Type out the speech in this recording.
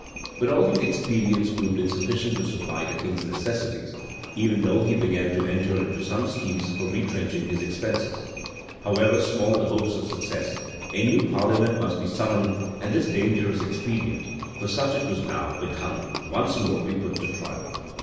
But all these expedients proved insufficient to supply the king's necessities; even though he began to enter into some schemes for retrenching his expenses.[] However small the hopes of success, a new parliament must be summoned, and this dangerous expedient for such it was now become once more be put to trial.